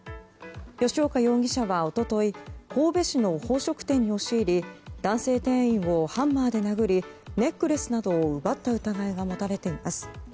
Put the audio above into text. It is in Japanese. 吉岡容疑者は一昨日神戸市の宝飾店に押し入り男性店員をハンマーで殴りネックレスなどを奪った疑いが持たれています。